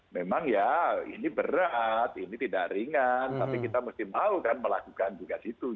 memang ya ini berat ini tidak ringan tapi kita mesti mau kan melakukan tugas itu